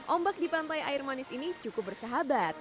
om bak di pantai air manis ini cukup bersahabat